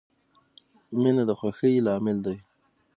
• مینه د خوښۍ لامل دی.